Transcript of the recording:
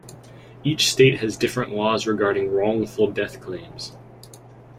Each state has different laws regarding wrongful death claims.